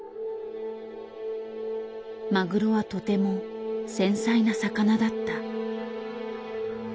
マグロはとても繊細な魚だった。